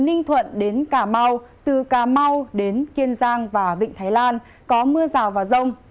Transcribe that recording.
cùng biển từ ninh thuận đến cà mau từ cà mau đến kiên giang và vịnh thái lan có mưa rào và rông